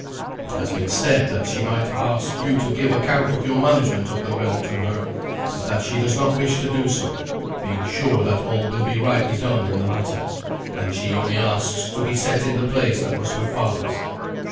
It has been said that she might ask you to give account of your management of the realm to her; but that she does not wish to do, being sure that all will be rightly done in the matter, and she only asks to be set in the place that was her father's."